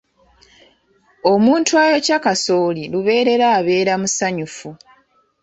Omuntu ayokya kasooli lubeerera abeera musanyufu.